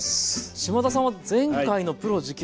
島田さんは前回の「プロ直伝！」